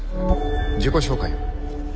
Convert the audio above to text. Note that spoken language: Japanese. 自己紹介を。